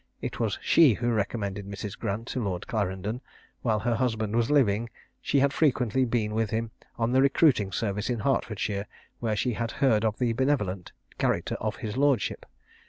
It was she who recommended Mrs. Grant to Lord Clarendon: while her husband was living, she had frequently been with him on the recruiting service in Hertfordshire, where she had heard of the benevolent character of his lordship.